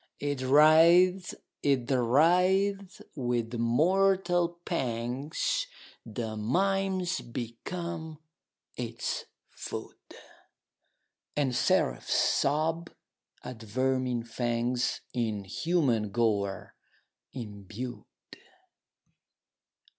It writhes it writhes! with mortal pangs The mimes become its food, 30 And seraphs sob at vermin fangs In human gore imbued.